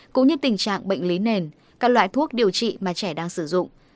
cũng như tình trạng bệnh lý nền các loại thuốc điều trị mà trẻ đang sử dụng